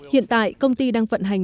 hiện tại công ty đang vận hành